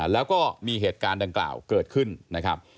แล้วก็มีเหตุการณ์ดังกล่าวเกิดขึ้นนะครับ